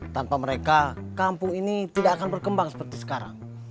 tanpa mereka kampung ini tidak akan berkembang seperti sekarang